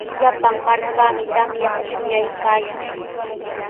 Llapan markami tamyata shuyaykaayan.